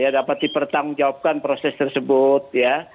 dapat dipertanggungjawabkan proses tersebut